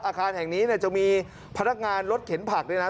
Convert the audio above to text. อาคารแห่งนี้เนี่ยจะมีพนักงานรถเข็นผักด้วยนะ